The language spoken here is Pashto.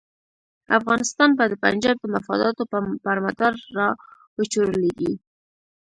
افغانستان به د پنجاب د مفاداتو پر مدار را وچورلېږي.